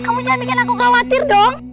kamu jangan bikin aku khawatir dong